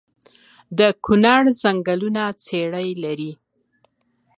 د کونړ ځنګلونه څیړۍ لري؟